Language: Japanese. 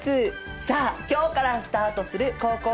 さあ今日からスタートする「高校講座家庭総合」。